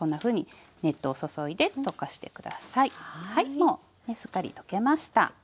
もうねすっかり溶けました。